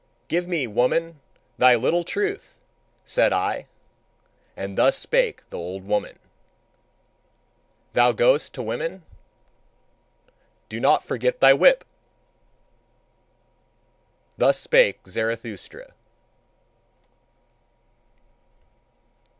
"Give me, woman, thy little truth!" said I. And thus spake the old woman: "Thou goest to women? Do not forget thy whip!" Thus spake Zarathustra.